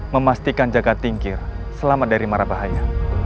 memastikan jaga tinggi selama dari marah bahaya